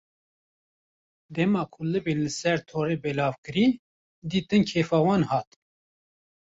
Dema ku libên li ser torê belavkirî, dîtin kêfa wan hat.